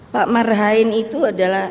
pak marhain itu adalah